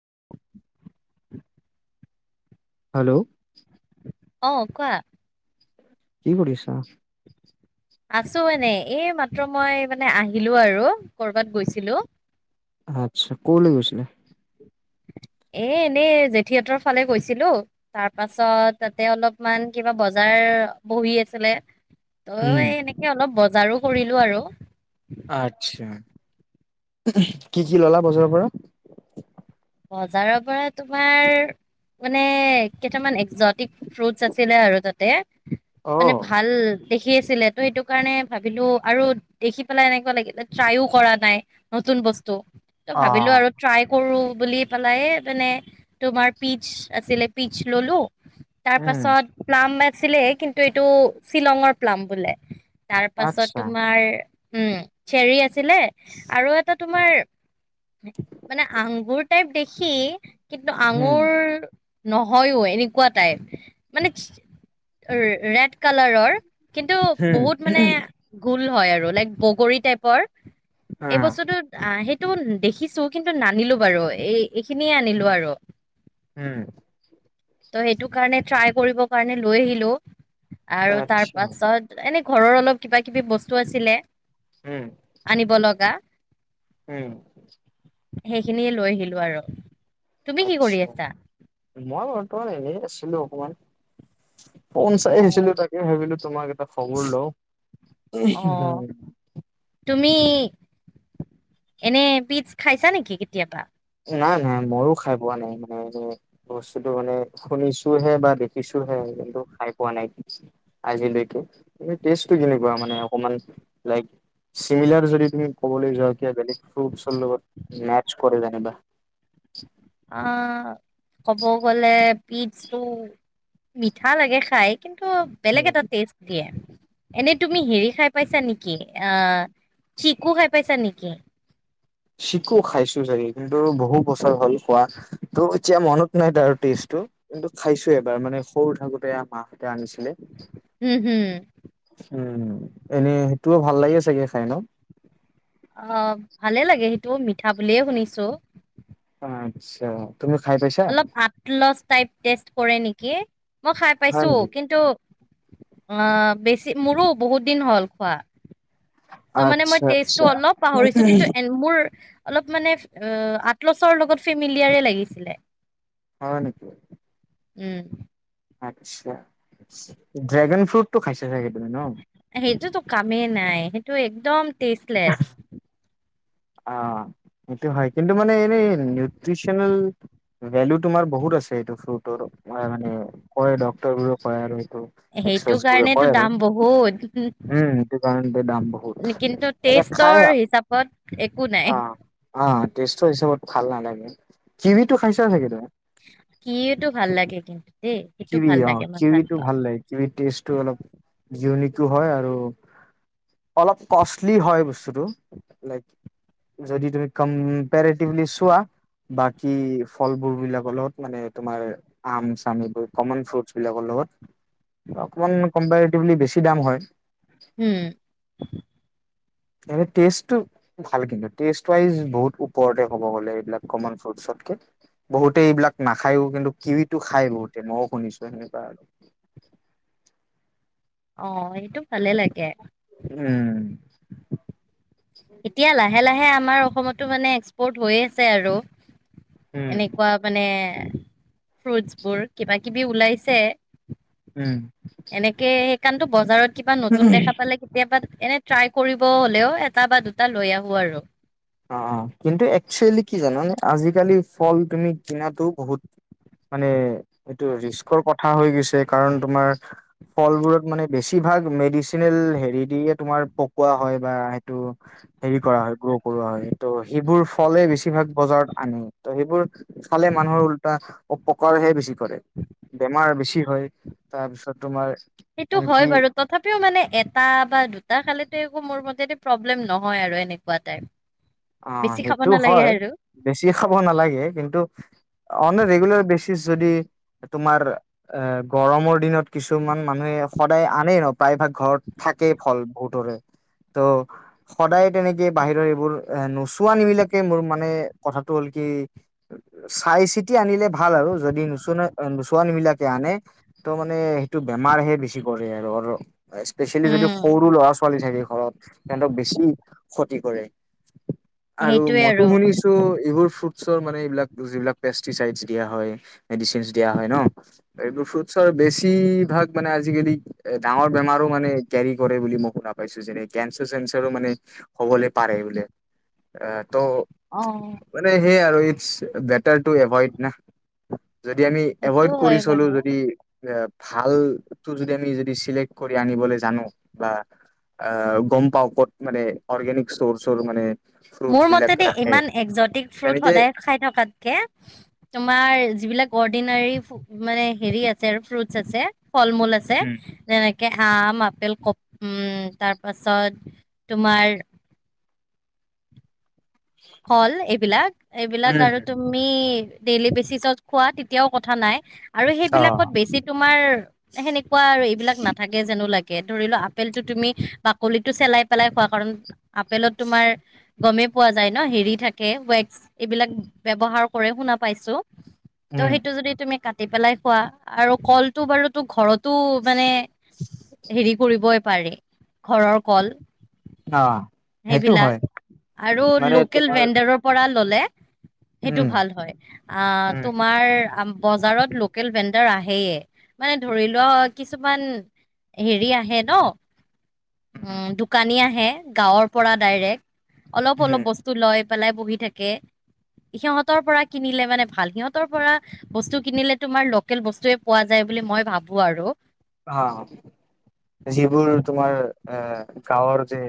[inaudible] Hello. অ, ' কোৱা কি কৰিছা? আছো এনেই, এই মাত্ৰ মই মানে আহিলো আৰু কৰ'বাত গৈছিলো আচ্ছা ক' ল গৈছিলে? এ এনেই জেঠিয়াতৰ ফালে গৈছিলো তাৰ পাছত তাতে অলপমান কিবা বজাৰ বহি আছিলে তয় উম, এই এনেকে অলপ বজাৰো কৰিলো আৰু আ্ছা কি কি ললা বছৰৰ পৰা? বজাৰৰ পৰা তোমাৰ মানে কেইটামান যট ফ্ৰুটছ আছিলে আৰু তাতে মানে অ', ভাল দেখি আছিলে ত' সেইটো কাৰণে ভাবিলো আৰু দেখি পেলাই এনেকুৱা লাগিলে ট্ৰাইও কৰা নাই নতুন বস্তু ত ভাবিলো অ', আৰু ট্ৰাই কৰো বুলি পেলাইে মানে তোমাৰ পিজ আছিলে পিজ ললো তাৰ উম, পাছত প্লাম আছিলে কিন্তু এইটো শ্বিলঙৰ প্লাম বোলে তাৰ পাছত আচ্ছা, তোমাৰ উম চেৰি আছিলে আৰু এটা তোমাৰ মানে আঙুৰ টাইপ দেখি কিন্তু হুম, আঙুৰ নহয়ো এনেকুৱা টাইপ মানে ৰেড কালাৰৰ। কিন্তু হুম, বহুত মানে গোুল হয় আৰু লাইক বগৰী টাইপৰ। এই অ', বস্তুতটো সেইটো দেখিছো কিন্তু নানিলো বাৰু। এই এইখিনিয়ে আনিলো আৰু। উম। ত' সেইটো কাৰণে ট্ৰাই কৰিব কাৰণে লৈ আহিলো আৰু তাৰ আচ্ছা, পাছত এনে ঘৰৰ অলপ কিবা কিবি বস্তু আছিলে উম, আনিব লগা। উম সেইখিনিয়ে লৈ আহিলো আৰু তুমি কি কৰি আটচা, আছা মই বৰ্তমান এনে আছিলো অকমান ফোন চাই অ আছিলো তাকে ভাবিলো তোমাক এটা খবৰ লওঁ। অ হ তুমি এনে পিছ [unintelligible] খাইছা নেকি কেতিয়াবা ম বস্তুটো মানে শুনিছোহে বা দেখিছোহে কিন্তু খাই পুৱা নাই আজৈকে এনে কেনেকুৱা মানে অকমান লাইক চিমিলাৰ যদি তুমি ক'বলৈ যোৱা বেলেগ ফ্ৰুইতৰ লগত মেতছ কৰে যেনিবা অ ক'ব গলে পিজটো মিঠা লাগে খাই। কিন্তু বেলেগ এটা টেষ্ট দিয়ে এনেই তুমি হেৰি খাই পাইছা নেকি অ চিকু খাই পাইছা নেকি? শিকো খাইছো চাগে কিন্তু বহু বছৰ হ'ল খোৱা ত' এতিয়া মনত নাই তাৰ টেষ্ট। কিন্তু খাইছো এবাৰ মানে সৰু থাকোতে মাহঁতে আনিছে। হম হম। উম এনেই সেইটোও ভাল লাগে চাগে খাই ন টো মিঠা বুলিয়ে শুনিছো আচ্ছা তুমি খাই পাইছা অলপ আলছ [unintelligible] টাইপ টেষ্ট কৰে নেকি মই খাই হয় পাইছো নেকি কিন্তু আহ বেছি মোৰো বহুত দিন হ'ল খোৱা। ত মানে মই আচ্ছা তেজটো আচ্ছা অলপ পাহৰিছো কিন্তু মোৰ অলপ মানে আটলছৰ লগত চিমিলিয়াৰ এ লাগিছিলে। হয় নেকি উম আচ্ছা ড্ৰেগন ফ্ৰুটটো খাইছ সেইটোতো কামেই নাই সেইটো একদম টেষ্টলেছ অ এইটো হয় কিন্তু মানে এনে নিউট্ৰিচনেল ভেলু তোমাৰ বহুত আছে এইটো ফ্ৰুটৰ মানে কয় ডক্তৰ বোৰো কয় আৰু সেইটো এক্সপ [unintelligible] বোৰে কাৰণেতো কয় আৰু দাম বহুত উম সেইটো কাৰণতে দাম বহুত কিন্তু এনে খাই টেষ্টৰ হিচাপত একো নাই অ অ টেষ্টৰ হিচাপত ভাল নালাগে কিৱিটো খাইছা চাগে তুমি কিৱিটো ভাল লাগে কিন্তু দেই সেইটো কিৱি ভাল অ লাগে মই কিৱিটো পাওঁ ভাল লাগে কৱিৰ টেষ্টটো অলপ ইউনিক হয় আৰু অলপ কষ্টলি হয় বস্তুটো লাইক যদি তুমি কম্পেৰেটিভলি চোৱা বাকী ফলবোৰ বিলাকৰ লগত মানে তোমাৰ আম চাম এইবোৰ কমন ফ্ৰুটছ বিলাকৰ লগত অকমান কম্পেটিভলি বেছি দাম হয়। উম এ টেষ্টটো ভাল কিন্তু টেষ্ট ৱাইজ বহুত ওপৰতে ক'ব গ'লে এইবিলাক কমন ফ্ৰুইট বহুতেই এইবিলাক নাখায়ও কিন্তু কিৱিটো খাই বহুত ন শুনিছোঁ সেনেকোৱা অ এইটো ভালে লাগে উম এতিয়া লাহে লাহে আমাৰ অসমতো মানে এক্সপৰ্ট হৈ আছে আৰু উম এনেকুৱা মানে ফ্ৰুটছ বোৰ কিবা কিবি ওলাইছে উম কাৰণটো বজাৰত কিবা নতুন দেখা পালে কেতিয়াবা এনে ট্ৰাই কৰিব হলেও এটা বা দুটা লৈ আহো আৰু অ অ কিন্তু একচুৱেলি কি জাননে আজিকালি ফল তুমি কিনাতো বহুত মানে এইটো ৰিস্কৰ কথা হৈ গৈছে, কাৰণ তোমাৰ ফলবোৰত মানে বেছিভাগ মেডিচিনেল হেৰি দি, তোমাৰ পকোৱা হয় বা সেইটো হেৰি কৰা হয় গ্ৰ কৰোৱা হয় ত' সেইবোৰ ফলে বেছিভাগ বজাৰত আনে ত' সেইবোৰ ফালে মানুহৰ উল্টা অপকাৰহে বেছি কৰে। বেমাৰ বেছি হয়, তাৰপিছত তোমাৰ সেইটো আনকি হয় বাৰু তথাপিওঁ মানে এটা বা দুটা খালেতো একো মোৰ মতে প্ৰব্লেম নহয় আৰু এনেকুৱা টাইপ। অহ বেছি খাব সেইটো নালাগে হয়, আৰু বেছি খাব নালাগে। কিন্তু অনেক ৰেগুলাৰ বেছি [unintelligible] যদি তোমাৰ এ গৰমৰ দিনত কিছুমান মানুহে সদায় আনেই নপায় প্ৰাই ভাগ ঘৰত থাকেই ফল বহুতৰে ত' সদায় তেনেকে বাহিৰৰ এইবোৰ এ নোচোৱা নেমেলাকে মোৰ মানে কথাটো হ'ল কি চাই চিতি আনিলে ভাল আৰু যদি নোচৱা নোচোৱানবিলাকে আনে ত মানে সেইটো বেমাৰহে বেছি কৰে আৰু আৰু স্পেচিয়েলি যদি উম, সৰু ল'ৰা ছোৱালী থাকে ঘৰত তেহেতক বেছি ক্ষতি কৰে। আৰু মইতো শুনিছো এইবোৰ মানে এইবিলাক যিবিলাক পেষ্টি চাইজ [unintelligible] দিয়া হয় মেডিচিন দিয়া হয় ন এইবোৰ ফ্ৰুইট বেছিভাগ মানে আজিকালি এ ডাঙৰ বেমাৰো মানে কেৰি কৰে বুলি মই শুনা পাইছো যেনে কেঞ্চাৰ চেঞ্চাৰো মানে হ'বলৈ পাৰে বোলে। আহ তো অ', মানে সেইয় আৰু এই বেটাৰ এভইড না, যদি আমি সেইটো এভইড কৰি হয় চলো বাৰু। যদি এ ভাল টো যদি আমি যদি চিলেক্ট কৰি আনিবলৈ জানোঁ বা অহ গম পাওঁ ক'ত মানে অৰ্গেনিক ষ্টৰ চৰ মানে ফ্ৰুটছ মোৰ বিলাক মতে ৰাখে ইমান একজটিক ফ্ৰুট তেনেকে সদায় খাই থকাতকে, তোমাক যিবিলাক এডিনাৰি ফ্ৰু মানে হে আছে ফ্ৰুট আছে, ফল-মূল আছে উম যেনেকে আম, আপেল, কমলা, উম তাৰপাছত তোমাৰ ফল এইবিলাক, এইবিলাক উম, আৰু তুমি ডেইলি বেচিছত খোৱা তেতিয়াও কথা নাই আৰু অ, সেইবিলাকত বেছি তোমাৰ সেনে কোৱা আৰু এইবিলাক নাথাকে যেনো লাগে। ধৰি লোৱা আপেলটো তুমি বাকলি চেলাই পেলাই খোৱা, কাৰণ আপেলত তোমাৰ গমেই পোৱা যায় যায় ন হেৰি থাকে ৱেক্স, এইবিলাক ব্যৱহাৰ কৰে শুনা পাইছোঁ। ত' উম, সেইটো যদি তুমি কাটি কাটি পেলাই খোৱা আৰু কলটো বাৰুতো ঘৰতো মানে হেৰি কৰিব। পাৰে, ঘৰৰ কল। অহ। সেইবিলাক আৰু লোকেল তোমাৰ ভেণ্ডাৰৰ পৰা ল'লে সেইটো উম, ভাল হয়। আহ উম, তোমাৰ বজাৰত লোকেল ভেণ্ডাৰ আহে। সেয়ে, মানে ধৰিলোৱা কিছুমান হেৰি আহে ন। উম, দোকানী আহে, গাঁৱৰ পৰা ডাইৰেক্ট অলপ অলপ উম, বস্তু লয়। পেলাই বহি থাকে। সিহঁতৰ পৰা কিনিলে মানে ভাল। সিহঁতৰ পৰা বস্তু কিনিলে তোমাৰ লোকেল বস্তুৱে পোৱা যায়। বুলি মই ভাবোঁ আৰু। অহ, যিবোৰ তোমাৰ এ গাঁৱৰ যে।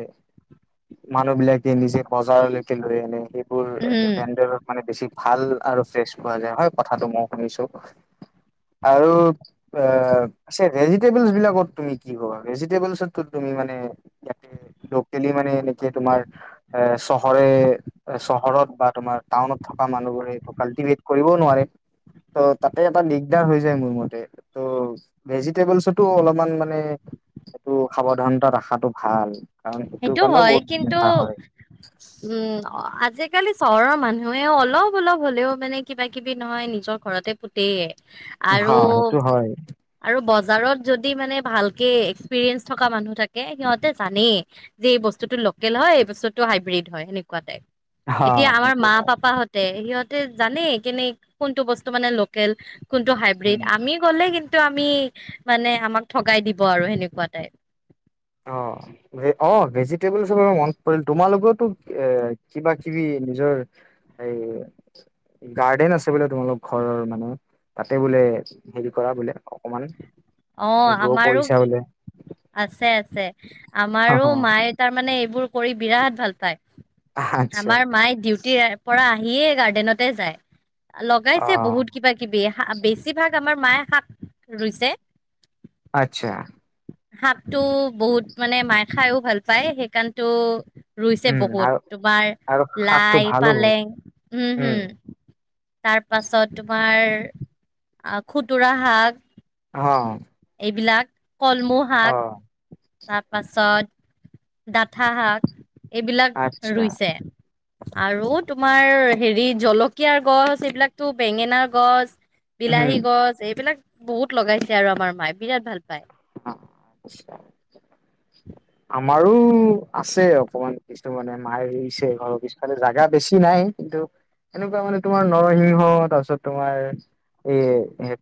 মানুহ বিলাকে নিজে বজাৰলৈকে লৈ আনে সেইবোৰ উম বেণ্ডত মানে বেছি ভাল আৰু ফ্ৰেছ পোৱা যায়, হয় কথাটো মইয়ো শুনিছোঁ। আৰু অহ। ভেজিটেবল বিলাকত তুমি কি কবা, ভেজিটেবলেচত তুমি মানে লোকেলি মানে এনেকে তোমাৰ, এ চহৰে চহৰত বা তোমাৰ টাউনত থা থকা মানুহবোৰেটো কাল্টিভেট কৰিবও নোৱাৰে। ত' তাতে এটা দিগদাৰ হৈ যায় মোৰ মতে। ত' ভেজিটেবলছতো অলপমান মানে এইটো সাৱধানতা ৰাখাটো ভাল। কাৰণ সেইটো কাৰণেও হয় বহুত কিন্তু বেমাৰ হয় উম আজি আজিকালি চহৰৰ মানুহে অলপ অলপ হলেও মানে কিবা কিবি নহয় নিজৰ ঘৰতে পোতেয়। হা আৰু সেইটো হয় আৰু বজ বজাৰত যদি মানে ভাল কে এক্সপিৰিয়েন্ঞ্চ থকা মানুহ থাকে সিহঁতে জানেই। যে এই বস্তুতটো লোকেল হয় এই বস্তুটো হাইব্ৰীড হয় সেনেকুৱা টাইপ। হা এতিয়া আমাৰ সেইটো মা হয় পাপাহঁতে সিহত ত জানেই কেনে কোনটো বস্তু মানে লোকেল কোনটো হাইব্ৰীড উম আমি গ'লে কিন্তু আমি মানে আমাক ঠগাই দিব আৰু সেনেকুৱা টাইপ। অ অ ভেজিটেবল চৰ মন পৰিল তোমালোকওতো এ কিবা কিবি নিজৰ এই গাৰ্ডেন আছে বোলে তোমালোক ঘৰৰ মানে, তাতে বোলে হেৰি কৰা বোলে অকমান। অহ গ্ৰ' আমাৰো, কৰিছা বোলে আছে আছে। আমাৰো মায়ে তাৰমানে এইবোৰ কৰি বিৰাট ভাল পায়। আচ্ছা আমাৰ মায়ে ডিউটিৰ পৰা আহিয়ে গাৰ্ডেনতে যায়। অ লগাইছে বহুত কিবা কিবি, বেছিভাগ আমাৰ মায়ে শাক ৰুইছে। আচ্ছা। শাকটো বহুত মানে মায়ে খাইও ভাল পায়, সেইকাৰণতো ৰুইছে উম আৰু বহুত, তোমাৰ আৰু শাকটো লাই ভালো বহুত পালেং হম, উম হম। তাৰপাছত তোমাৰ অহ, খুতুৰা শাক। অ এইবিলাক কলমৌ শাক অ তাৰপাছত ডাঠা শাক। এইবিলাক আচ্ছা ৰুইছে। আৰু তোমাৰ হেৰি জলকীয়াৰ গছ এইবিলাকতো বেঙেনাৰ গছ বিলাহী উম গছ এইবিলাক বহুত লগাইছে আৰু আমাৰ মায়ে বিৰাট ভাল পায়। আমাৰো আছে অকমান। কিছু মানে মাৰে ৰুইছে ঘৰৰ পিছফালে জেগা বেছি নাই কিন্তু এনেকুৱা মানে তোমাৰ নৰসিংহ তাৰপিছত তোমাৰ এ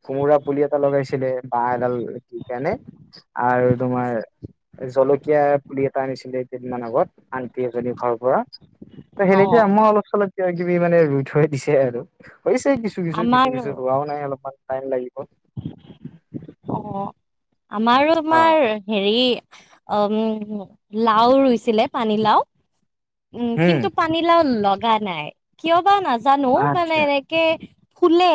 কোমোৰা পুলি এটা লগাইছিলে বাঁহ এডাল কি কাৰণে আৰু তোমাৰ জলকীয়া পুলি এটা আনিছিলে এই কেইদিনমান আগত আন্টি এজনী ঘৰৰ পৰা ত অ সেনেকে মই অলপ চলপ কিব কিবি মানে ৰুই থৈ দিছে আৰু। হৈছে কিছু কিছু কিছু আমাৰ কিছু ৱাও নাই অলপমান টাইম লাগিব। অ আমাৰো অ তোমাৰ হেৰি উ লাও ৰুইছিলে পানী লাও উম কিন্তু পানীলাও লগা নাই, কিয় বা নাজানো মানে আচ্ছা এনেকে ফুলে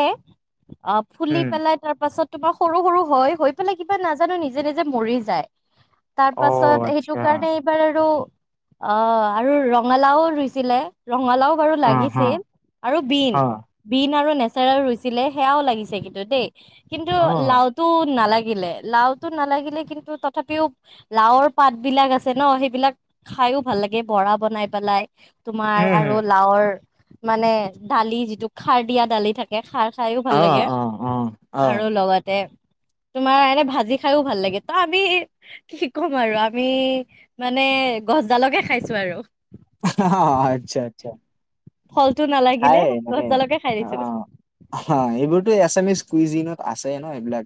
অ ফুলি উম পেলাই তাৰ পাছত তোমাৰ সৰু সৰু হয় হৈ পেলাই কিবা নাজানো নিজে নিজে মৰি যায় তাৰ অ পাছত সেইটো আচ্ছা কাৰণে এইবাৰ আৰু অ আৰু ৰঙালাওও ৰুইছিলে। ৰঙালাও বাৰু অ হ লাগিছে আৰু বিন, অ বিন আৰু নেচ ৰুইছিলে সেয়াও লাগিছে কিন্তু দেই কিন্তু অ লাউ নালাগিলে লাওতো নালাগিলে কিন্তু তথাপিও লাওৰ পাত বিলাক আছে ন সেইবিলাক খাইও ভাল লাগে বৰা বনাই পেলাই। তোমাৰ আৰু উম, লাওৰ মানে দালি যিটো খাৰ দিয়া দালি থাকে খাৰ খাইও ভাল অ', লাগে অ', অ', অ', আৰু লগতে [inaudible] তোমাৰ এনে ভাজি খাইও ভাল লাগে ত আমি কি ক'ম আৰু আমি মানে গছডালকে খাইছো আৰু অহ আচ্ছা আচ্ছা ফলটো নালাগিলে খায় মানে গছডালকে খাই দিছিল অ', অ', এইবোৰ এছ এম ইছ কুইজিনত আছে ন এইবিলাক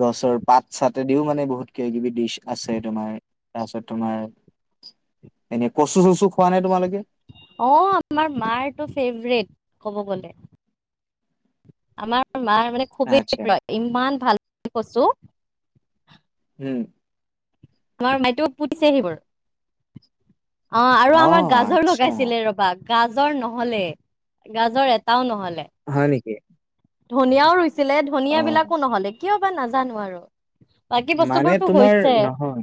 গছৰ পাত চাটদিও মানে বহুত কিবা কিবি ডিছ আছে তোমাৰ তাৰপিছত তোমাৰ এনেই কচু চচু খোৱা নাই তোমালোকে অ', আমাৰ মায়েটো ফেব্ৰেট ক'ব গ'লে আমাৰ মাৰ মানে খুবেই আচ্ছা, প্ৰিয় ইমান ভাল পায় কচু হম আমাৰ মাইতো পুতিছে সেইবোৰ- অ', আৰু আমাৰ অ', গাজৰ আচ্ছা, লগাইছিলে ৰবা গাজৰ নহ'লে গাজৰ এটাও নহ'লে হয় নেকি ধনিয়াও ৰুইছিলে ধনিয় অ', বিলাকো নহ'লে কিয় বা নাজানো আৰু বাকী মানে বস্তুবোৰতো তোমাৰ হৈছে। নহয়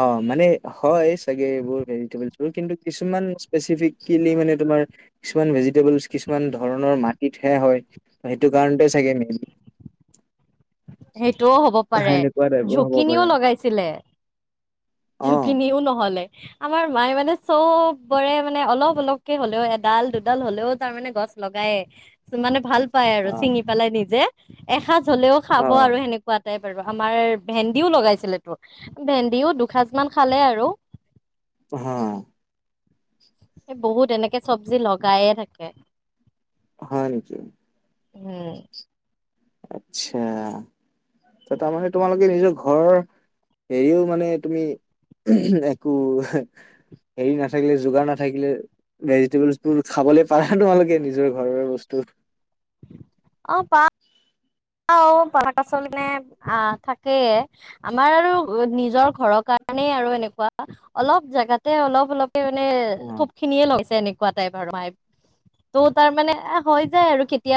অ', মানে হয় চাগে এইবোৰ ভেজিবলোৰ কিন্তু কিছুমান স্পেচফিকেলি মান কিছুমান ভেজিটেবল কিছুমান ধৰণৰ মাটিত সে হয় সেইটো কাৰণতে চাগে মেই [inaudible] সেইটোও হ'ব পাৰে হ'ব ঝুকিনিও পাৰে লগাইছিলে অ'। জুখিনিও [unintelligible] নহ'লে আমাৰ মায়ে মানে চবৰে মানে অলপ অলপকে হ'লেও এডাল দুডাল হ'লেও তাৰমানে গছ লগাই মানে ভাল পাই আৰু অ', চিঙি পেলাই নিজে এসাঁজ হলে'ও খাব আৰু সেনেকুৱা [unintelligible] পাৰিব আমাৰ ভেন্দিও লগাইছিলে তোৰ ভেন্দিও দুসাঁজ মান খালে আৰু হা এই বহুত এনেকে চব্জি লগায়ে থাকে। হয় নেকি উম আচ্ছা তাৰমানে তোমালোকে নিজৰ ঘৰ হেৰিও মানে তুমি একো হেৰি নাথাকিলে যোগাৰ নাথাকিলে ভেজিটেবলবোৰ খাবলে পাৰা তোমালোকে নিজৰ ঘৰৰে বস্তু ফ [unintelligible] অ', পাৰো অ', পাৰোঁ পাচলি নে [unintelligible] আহ থাকেই আমাৰ আৰু নিজৰ ঘৰত কাৰণেই আৰু এনেকুৱা অলপ জাগাতে অলপ অলপে মানে অ'। খুব খিনিয়ে লৈছে এনে টাইপ ত তাৰ মানে হৈ যায় আৰু কেতিয়া